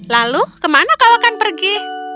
lalu ke mana kau akan pergi